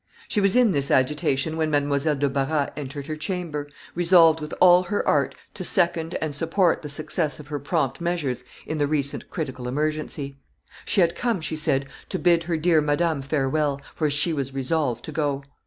She was in this agitation when Mademoiselle de Barras entered her chamber, resolved with all her art to second and support the success of her prompt measures in the recent critical emergency. She had come, she said, to bid her dear madame farewell, for she was resolved to go.